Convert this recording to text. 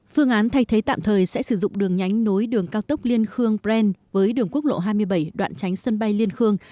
phương án thay thế tạm thời sẽ sử dụng đường nhánh nối đường cao tốc liên khương brand với đường quốc lộ hai mươi bảy đoạn tránh sân bay liên khương